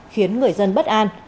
khiến người dân bất an